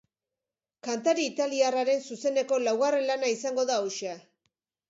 Kantari italiarraren zuzeneko laugarren lana izango da hauxe.